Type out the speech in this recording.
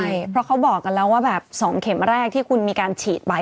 ใช่เพราะเขาบอกกันแล้วว่าแบบ๒เข็มแรกที่คุณมีการฉีดไป